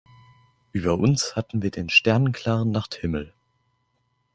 Über uns hatten wir den sternenklaren Nachthimmel.